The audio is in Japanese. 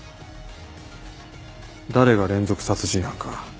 誰が連続殺人犯か。